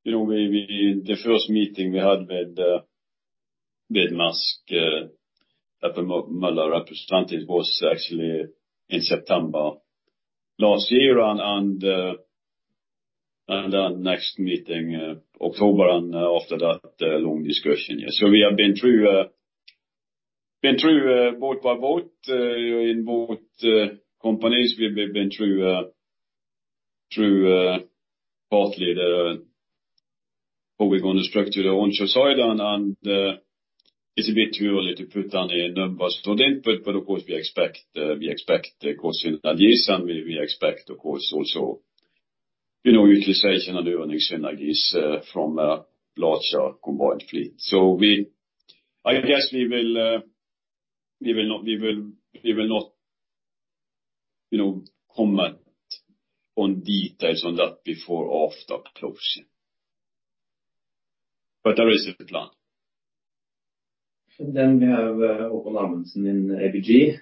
Speaker 3: the first meeting we had with Maersk representatives was actually in September last year. And then next meeting, October, and after that, long discussion. So we have been through boat by boat in both companies. We've been through partly the forward on the structure on the onshore side. And it's a bit too early to put any numbers on input, but of course, we expect cost synergies and we expect, of course, also utilization and earnings synergies from larger combined fleet. So I guess we will not comment on details on that before after close. But there is a plan.
Speaker 5: Then we have Håkon Amundsen in ABG.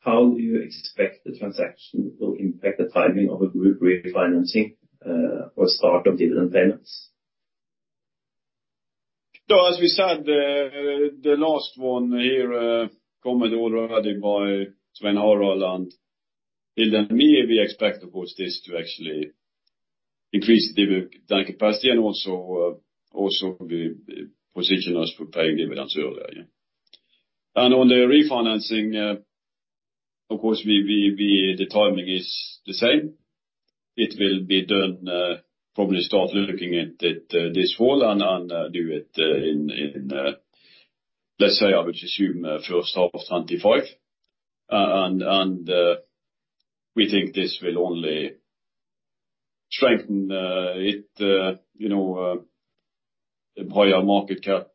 Speaker 5: How do you expect the transaction will impact the timing of a group refinancing or start of dividend payments?
Speaker 3: So as we said, the last one here commented already by Svein Harald Øygard, Hilde Drønen, we expect, of course, this to actually increase the dividend capacity and also position us for paying dividends earlier. And on the refinancing, of course, the timing is the same. It will be done probably start looking at this fall and do it in, let's say, I would assume first half 2025. And we think this will only strengthen it, higher market cap,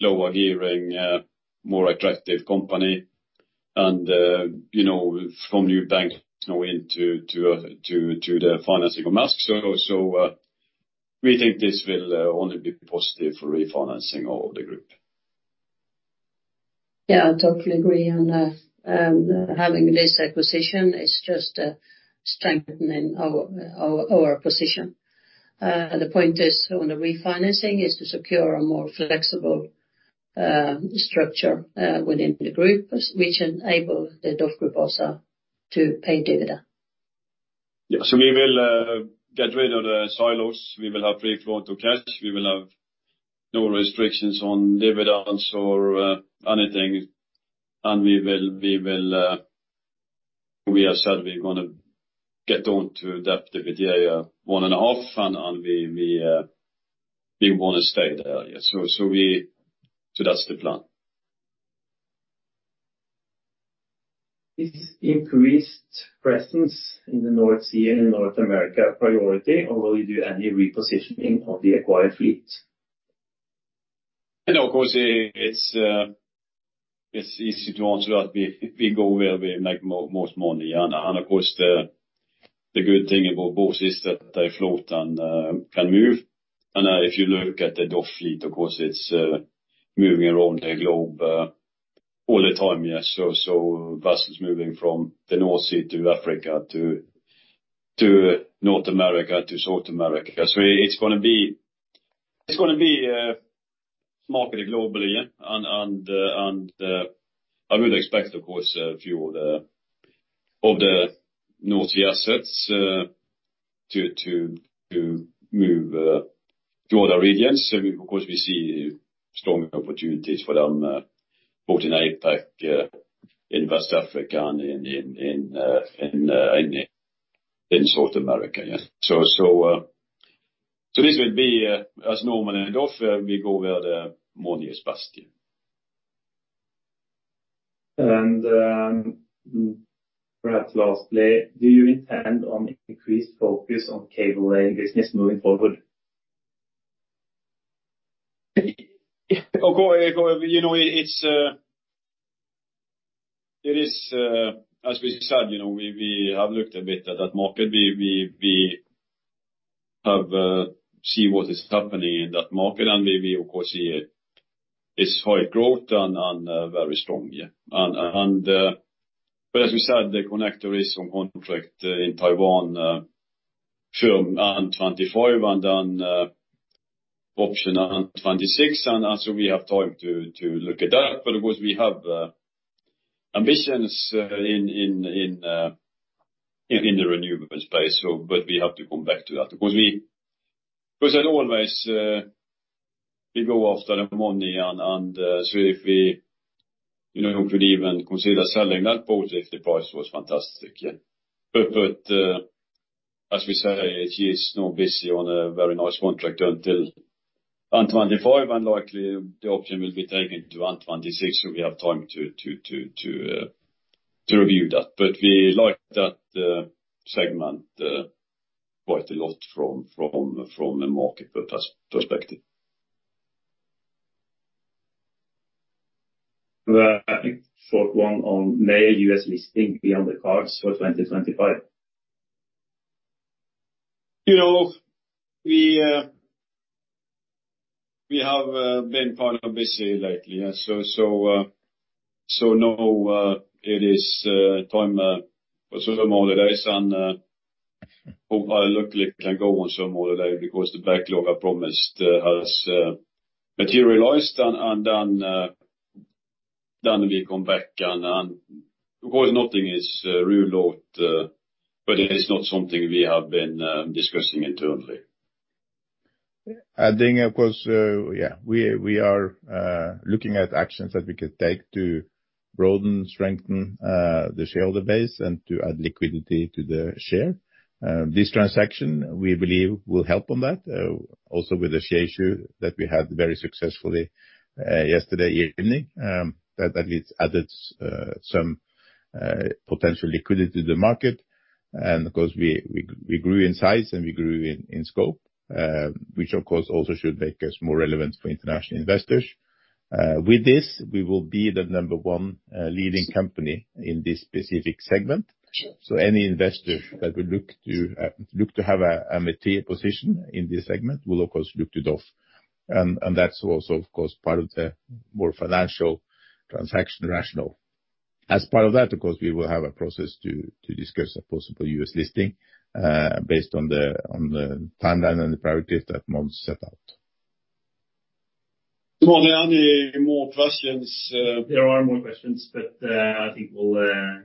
Speaker 3: lower gearing, more attractive company. And from new banks into the financing of Maersk. So we think this will only be positive for refinancing of the group.
Speaker 4: Yeah, I totally agree. Having this acquisition is just strengthening our position. The point is on the refinancing is to secure a more flexible structure within the group, which enables the DOF Group also to pay dividend.
Speaker 3: Yeah. So we will get rid of the silos. We will have free flow to cash. We will have no restrictions on dividends or anything. And we have said we're going to get on to debt of the 1.5, and we want to stay there. So that's the plan.
Speaker 5: Is increased presence in the North Sea and North America a priority, although you do any repositioning of the acquired fleet?
Speaker 3: Of course, it's easy to answer that. We go where we make most money. Of course, the good thing about both is that the float can move. If you look at the DOF fleet, of course, it's moving around the globe all the time. Vessels moving from the North Sea to Africa to North America to South America. It's going to be marketed globally. I would expect, of course, a few of the North Sea assets to move to other regions. Of course, we see strong opportunities for them both in APAC, in West Africa, and in South America. This will be as normal in DOF, we go where the money is best.
Speaker 5: Perhaps lastly, do you intend on increased focus on cable-laying business moving forward?
Speaker 3: Of course, it is, as we said, we have looked a bit at that market. We have seen what is happening in that market. And we, of course, see it's high growth and very strong. But as we said, the connector is on contract in Taiwan firm and 2025 and then option and 2026. And so we have time to look at that. But of course, we have ambitions in the renewable space. But we have to come back to that. Of course, as always, we go after the money. And so if we could even consider selling that boat if the price was fantastic. But as we say, she is now busy on a very nice contract until 2025. And likely the option will be taken to 2026. So we have time to review that. But we like that segment quite a lot from a market perspective.
Speaker 5: A short one on Maersk U.S. listing beyond the cards for 2025.
Speaker 3: We have been kind of busy lately. Now it is time for some holidays. Hopefully, I luckily can go on some holiday because the backlog I promised has materialized. Then we come back. Of course, nothing is ruled out, but it's not something we have been discussing internally.
Speaker 2: Adding, of course, yeah, we are looking at actions that we could take to broaden, strengthen the shareholder base, and to add liquidity to the share. This transaction, we believe, will help on that. Also with the share issue that we had very successfully yesterday evening, that at least added some potential liquidity to the market. And of course, we grew in size and we grew in scope, which of course also should make us more relevant for international investors. With this, we will be the number one leading company in this specific segment. So any investor that would look to have a material position in this specific segment will, of course, look to DOF. And that's also, of course, part of the more financial transaction rationale. As part of that, of course, we will have a process to discuss a possible U.S. listing based on the timeline and the priorities that Mons set out.
Speaker 3: Tom, any more questions?
Speaker 5: There are more questions, but I think we'll...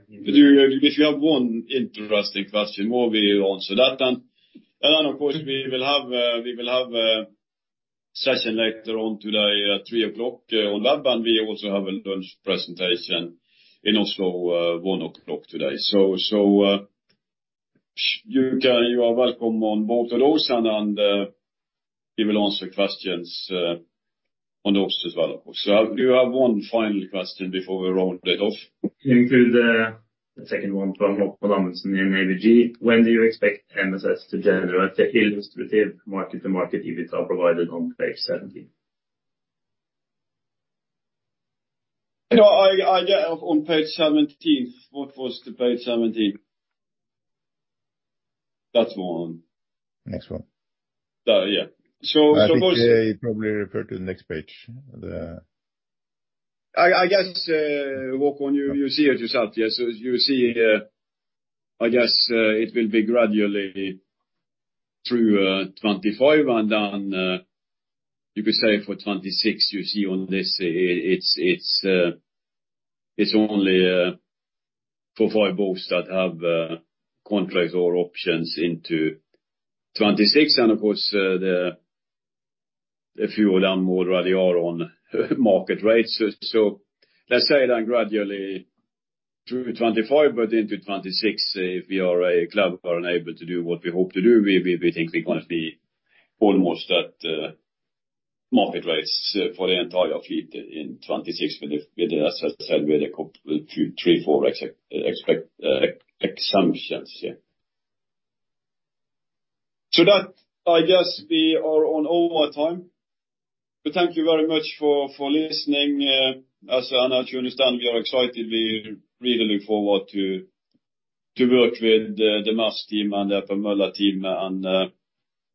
Speaker 3: If you have one interesting question, we'll answer that. And then, of course, we will have a session later on today, 3:00 P.M. on web. And we also have a lunch presentation in Oslo, 1:00 P.M. today. So you are welcome on both of those. And we will answer questions on those as well. So do you have one final question before we round it off?
Speaker 5: Include a second one from Haakon Amundsen in ABG. When do you expect MSS to generate the illustrative mark-to-market EBITDA provided on page 17?
Speaker 3: I get on page 17. What was the page 17? That's one.
Speaker 5: Next one.
Speaker 3: Yeah. So of course.
Speaker 5: I'll probably refer to the next page.
Speaker 3: I guess Håkon, you see it yourself. So you see, I guess it will be gradually through 2025. And then you could say for 2026, you see on this, it's only for five boats that have contracts or options into 2026. And of course, a few of them already are on market rates. So let's say then gradually through 2025, but into 2026, if we are clever and able to do what we hope to do, we think we're going to be almost at market rates for the entire fleet in 2026. But as I said, with a couple of three, four exemptions. So that, I guess we are on over time. But thank you very much for listening. As Anna and you understand, we are excited. We really look forward to work with the MAS team and the Møller team and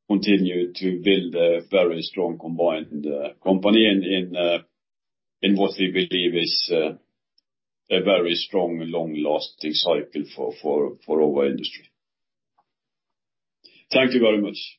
Speaker 3: continue to build a very strong combined company in what we believe is a very strong, long-lasting cycle for our industry. Thank you very much.